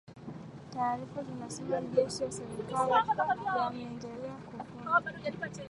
taarifa zinasema majeshi ya serikali yameendelea kuvuna